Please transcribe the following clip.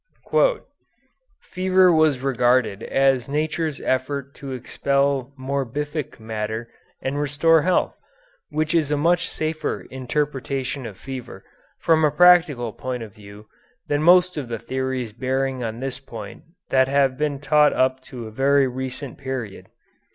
"Fever was regarded as nature's effort to expel morbific matter and restore health; which is a much safer interpretation of fever, from a practical point of view, than most of the theories bearing on this point that have been taught up to a very recent period.